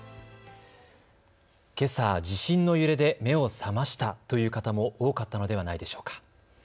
けさ、地震の揺れで目を覚ましたという方も多かったのではないでしょうか。